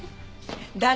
誰？